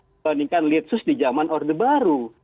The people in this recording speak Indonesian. dibandingkan litsus di zaman orde baru